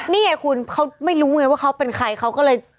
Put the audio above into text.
นี่ไงคุณเขาไม่รู้ไงว่าเขาเป็นใคร